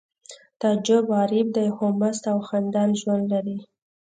تعجب غریب دی خو مست او خندان ژوند لري